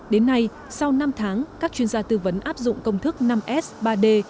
đến nay sau năm tháng các chuyên gia tư vấn áp dụng công thức năm s ba d